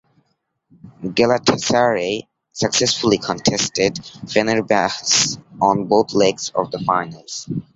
Galatasaray successfully contested Fenerbahce on both legs of the finals.